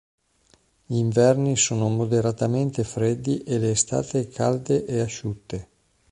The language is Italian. Gli inverni sono moderatamente freddi e le estati calde e asciutte.